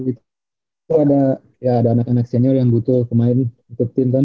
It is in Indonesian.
itu ada anak anak senior yang butuh kemari untuk tim kan